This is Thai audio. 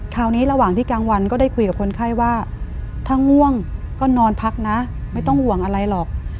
ระหว่างที่กลางวันก็ได้คุยกับคนไข้ว่าถ้าง่วงก็นอนพักนะไม่ต้องห่วงอะไรหรอก